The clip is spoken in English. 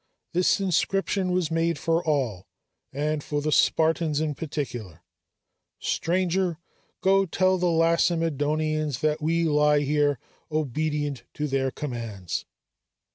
" This inscription was made for all; and for the Spartans in particular: "Stranger, go tell the Lacedæmonians that we lie here, obedient to their commands!"